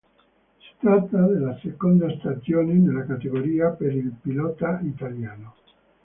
Si tratta della seconda stagione nella categoria per il pilota italiano.